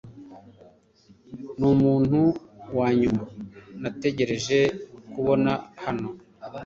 numuntu wanyuma nategereje kubona hano